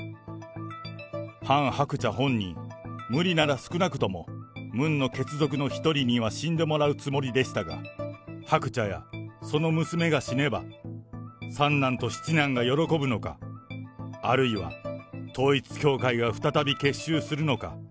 ハン・ハクチャ本人、無理なら少なくともムンの血族の１人には死んでもらうつもりでしたが、ハクチャやその娘が死ねば、三男と七男が喜ぶのか、あるいは統一教会が再び結集するのか。